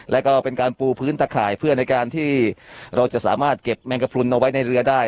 แล้วก็เป็นการปูพื้นตะข่ายเพื่อในการที่เราจะสามารถเก็บแมงกระพรุนเอาไว้ในเรือได้